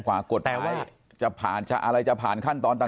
กว่ากฎท้ายจะผ่านขั้นตอนต่าง